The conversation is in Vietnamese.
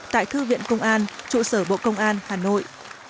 tại thư viện công an trụ sở bộ công an hà nội